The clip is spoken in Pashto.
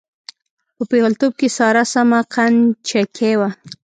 په پېغلتوب کې ساره سمه قند چکۍ وه.